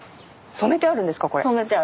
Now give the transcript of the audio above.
染めてあるんですかこれ。